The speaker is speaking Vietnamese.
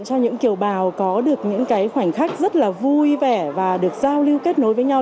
cho những kiều bào có được những cái khoảnh khắc rất là vui vẻ và được giao lưu kết nối với nhau